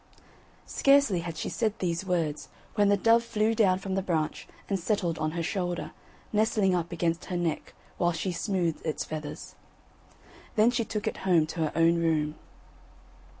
Scarcely had she said these words when the dove flew down from the branch and settled on her shoulder, nestling up against her neck while she smoothed its feathers. Then she took it home to her own room.